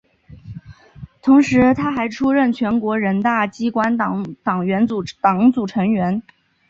同时她还出任全国人大机关党组成员。